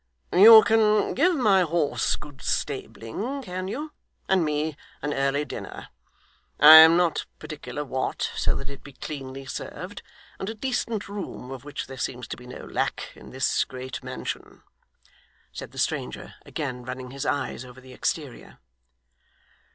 'You can give my horse good stabling, can you, and me an early dinner (I am not particular what, so that it be cleanly served), and a decent room of which there seems to be no lack in this great mansion,' said the stranger, again running his eyes over the exterior.